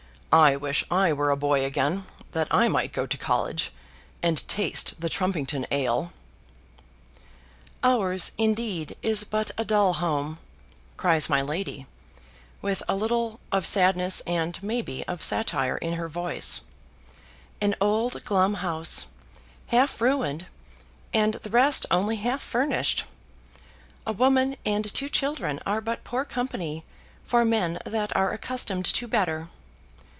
I wish I were a boy again, that I might go to college, and taste the Trumpington ale." "Ours, indeed, is but a dull home," cries my lady, with a little of sadness and, maybe, of satire, in her voice: "an old glum house, half ruined, and the rest only half furnished; a woman and two children are but poor company for men that are accustomed to better.